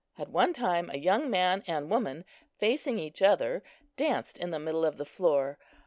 At one time a young man and woman facing each other danced in the middle of the floor.